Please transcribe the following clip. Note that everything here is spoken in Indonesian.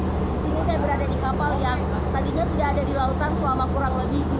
di sini saya berada di kapal yang tadinya sudah ada di lautan selama kurang lebih dua bulan